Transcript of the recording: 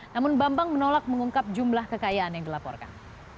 namun bambang menolak mengungkap jumlah kekayaan yang dilaporkan